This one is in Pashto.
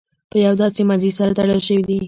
په یو داسې مزي سره تړل شوي دي.